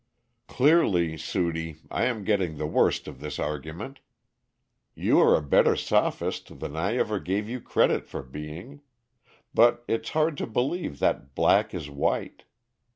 "Clearly, Sudie, I am getting the worst of this argument. You are a better sophist than I ever gave you credit for being. But it's hard to believe that black is white.